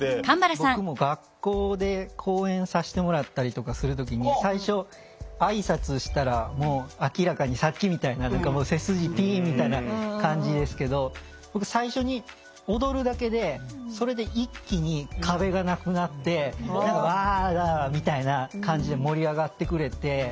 僕も学校で講演させてもらったりとかする時に最初挨拶したらもう明らかにさっきみたいな背筋ピンみたいな感じですけど最初に踊るだけでそれで一気に壁がなくなって何か「わあ！」みたいな感じで盛り上がってくれて。